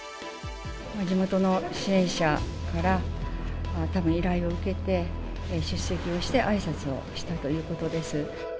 地元の支援者から、たぶん依頼を受けて、出席をしてあいさつをしたということです。